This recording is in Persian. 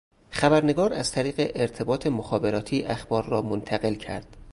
خبرنگار از طریق ارتباط مخابراتی اخبار را منتقل کرد